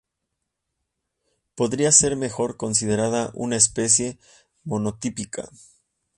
Podría ser mejor considerada una especie monotípica.